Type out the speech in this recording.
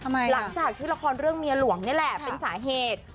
หลังจากที่ละครเรื่องเมียหลวงนี่แหละเป็นสาเหตุ